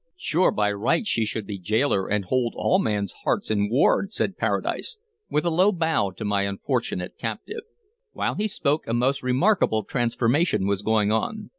"Sure by rights she should be gaoler and hold all men's hearts in ward," said Paradise, with a low bow to my unfortunate captive. While he spoke a most remarkable transformation was going on.